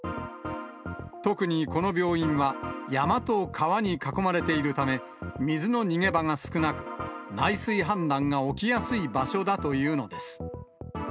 特にこの病院は、山と川に囲まれているため、水の逃げ場が少なく、内水氾濫が起きやすい場所だというのです。